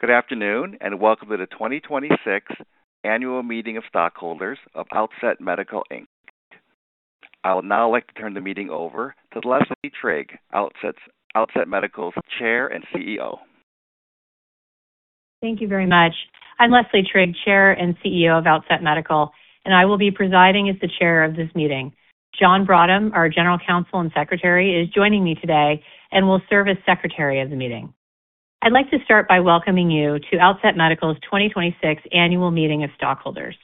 Good afternoon, and welcome to the 2026 Annual Meeting of Stockholders of Outset Medical, Inc. I would now like to turn the meeting over to Leslie Trigg, Outset Medical's Chair and CEO. Thank you very much. I'm Leslie Trigg, Chair and CEO of Outset Medical, and I will be presiding as the chair of this meeting. John Brottem, our General Counsel and Secretary, is joining me today and will serve as Secretary of the meeting. I'd like to start by welcoming you to Outset Medical's 2026 Annual Meeting of Stockholders.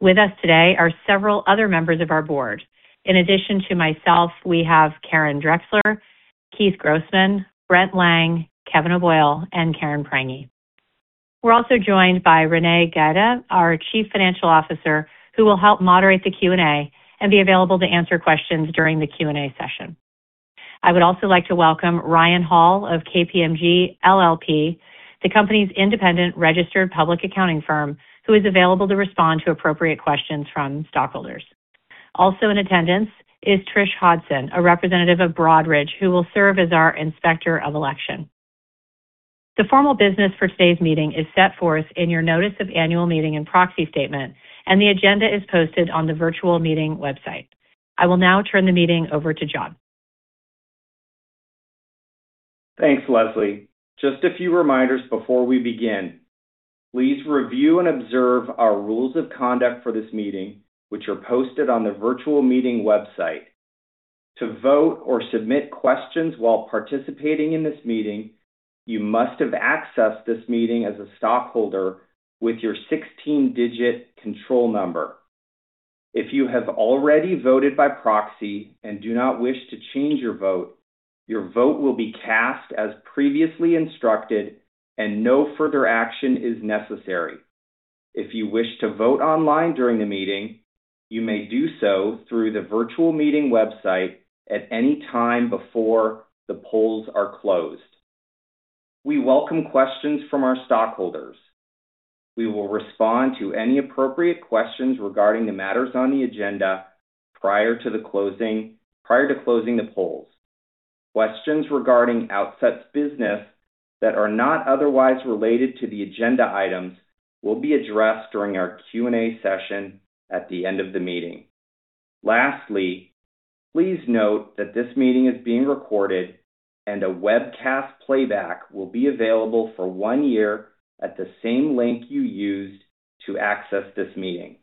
With us today are several other members of our board. In addition to myself, we have Karen Drexler, Keith Grossman, Brent Lang, Kevin O'Boyle, and Karen Prange. We're also joined by Renee Gaeta, our Chief Financial Officer, who will help moderate the Q&A and be available to answer questions during the Q&A session. I would also like to welcome Ryan Hall of KPMG LLP, the company's independent registered public accounting firm, who is available to respond to appropriate questions from stockholders. Also in attendance is Trish Hodson, a representative of Broadridge, who will serve as our Inspector of Election. The formal business for today's meeting is set forth in your notice of annual meeting and proxy statement, and the agenda is posted on the virtual meeting website. I will now turn the meeting over to John. Thanks, Leslie. Just a few reminders before we begin. Please review and observe our rules of conduct for this meeting, which are posted on the virtual meeting website. To vote or submit questions while participating in this meeting, you must have accessed this meeting as a stockholder with your 16-digit control number. If you have already voted by proxy and do not wish to change your vote, your vote will be cast as previously instructed and no further action is necessary. If you wish to vote online during the meeting, you may do so through the virtual meeting website at any time before the polls are closed. We welcome questions from our stockholders. We will respond to any appropriate questions regarding the matters on the agenda prior to closing the polls. Questions regarding Outset's business that are not otherwise related to the agenda items will be addressed during our Q&A session at the end of the meeting. Lastly, please note that this meeting is being recorded and a webcast playback will be available for one year at the same link you used to access this meeting.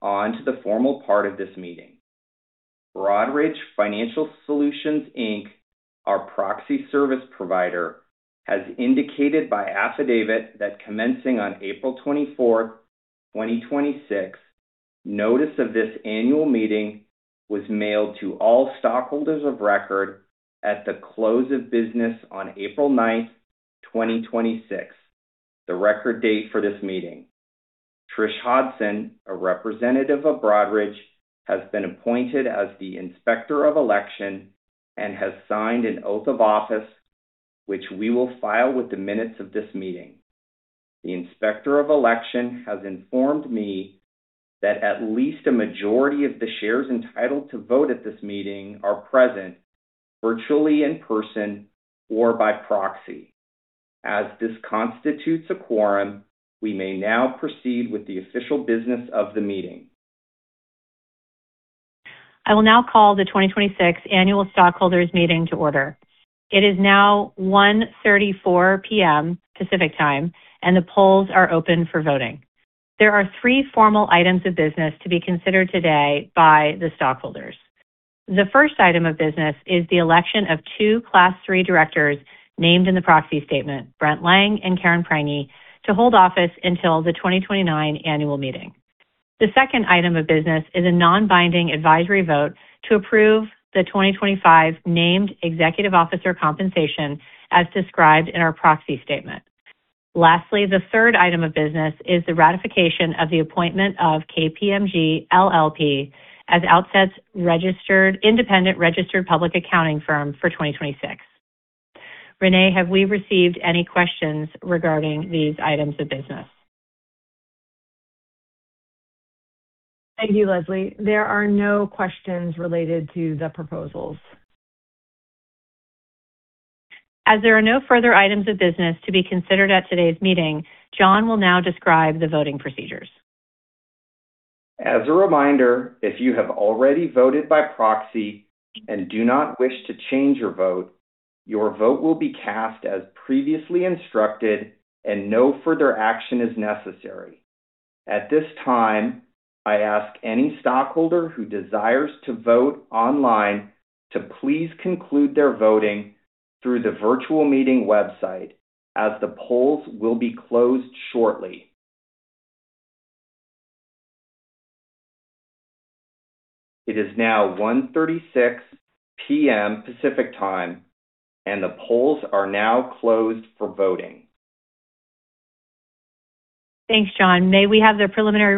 On to the formal part of this meeting. Broadridge Financial Solutions, Inc., our proxy service provider, has indicated by affidavit that commencing on April 24th, 2026, notice of this annual meeting was mailed to all stockholders of record at the close of business on April 9th, 2026, the record date for this meeting. Trish Hodson, a representative of Broadridge, has been appointed as the Inspector of Election and has signed an oath of office, which we will file with the minutes of this meeting. The Inspector of Election has informed me that at least a majority of the shares entitled to vote at this meeting are present virtually, in person, or by proxy. As this constitutes a quorum, we may now proceed with the official business of the meeting. I will now call the 2026 Annual Stockholders Meeting to order. It is now 1:34 P.M. Pacific Time, and the polls are open for voting. There are three formal items of business to be considered today by the stockholders. The first item of business is the election of two Class III directors named in the proxy statement, Brent Lang and Karen Prange, to hold office until the 2029 annual meeting. The second item of business is a non-binding advisory vote to approve the 2025 named executive officer compensation as described in our proxy statement. Lastly, the third item of business is the ratification of the appointment of KPMG LLP as Outset's independent registered public accounting firm for 2026. Renee, have we received any questions regarding these items of business? Thank you, Leslie. There are no questions related to the proposals. As there are no further items of business to be considered at today's meeting, John will now describe the voting procedures. As a reminder, if you have already voted by proxy and do not wish to change your vote, your vote will be cast as previously instructed and no further action is necessary. At this time, I ask any stockholder who desires to vote online to please conclude their voting through the virtual meeting website, as the polls will be closed shortly. It is now 1:36 P.M. Pacific Time. The polls are now closed for voting. Thanks, John. May we have the preliminary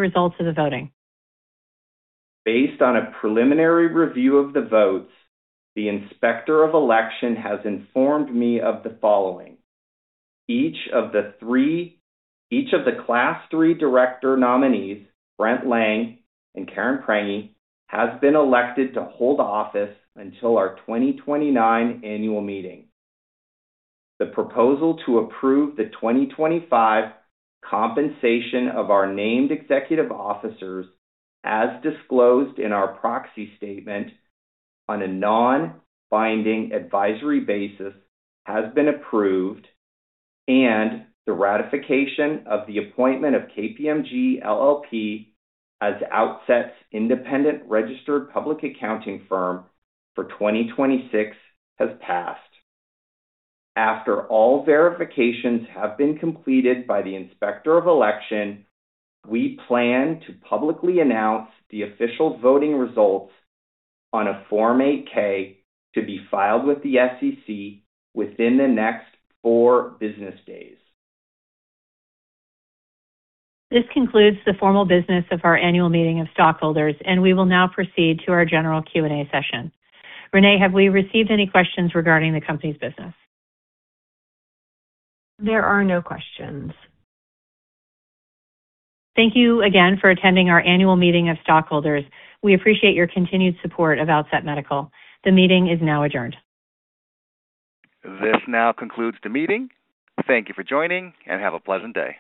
results of the voting? Based on a preliminary review of the votes, the Inspector of Election has informed me of the following: Each of the Class III director nominees, Brent Lang and Karen Prange, has been elected to hold office until our 2029 annual meeting. The proposal to approve the 2025 compensation of our named executive officers, as disclosed in our proxy statement, on a non-binding advisory basis, has been approved. The ratification of the appointment of KPMG LLP as Outset's independent registered public accounting firm for 2026 has passed. After all verifications have been completed by the Inspector of Election, we plan to publicly announce the official voting results on a Form 8-K to be filed with the SEC within the next four business days. This concludes the formal business of our annual meeting of stockholders, and we will now proceed to our general Q&A session. Renee, have we received any questions regarding the company's business? There are no questions. Thank you again for attending our annual meeting of stockholders. We appreciate your continued support of Outset Medical. The meeting is now adjourned. This now concludes the meeting. Thank you for joining, and have a pleasant day.